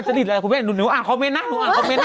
เดี๋ยวเราดูคุณผู้ชมเขียนอะไรกันนะ